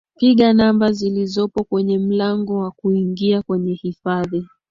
piga namba zilizopo kwenye mlango wa kuingia kwenye hifadhi